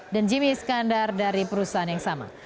dan jimmy iskandar dari perusahaan yang sama